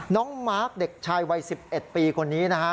มาร์คเด็กชายวัย๑๑ปีคนนี้นะฮะ